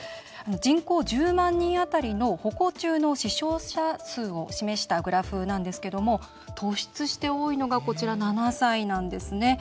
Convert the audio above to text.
人口１０万人当たりの歩行中の死傷者数を示したグラフなんですけども突出して多いのが、こちら７歳なんですね。